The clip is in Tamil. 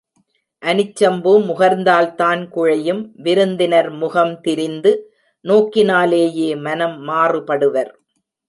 அனிச்சப்பூ முகர்ந்தால் தான் குழையும் விருந்தினர் முகம் திரிந்து நோக்கினாலேயே மனம் மாறுபடுவர்.